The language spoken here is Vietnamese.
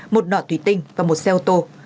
một nọ tủy tinh và một xe ô tô